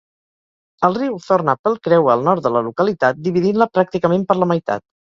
El riu Thornapple creua el nord de la localitat, dividint-la pràcticament per la meitat.